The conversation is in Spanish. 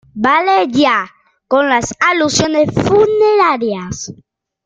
vale ya con las alusiones funerarias.